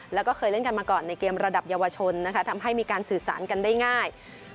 แล้วก็เคยเล่นกันมาก่อนในเกมระดับเยาวชนนะคะทำให้มีการสื่อสารกันได้ง่าย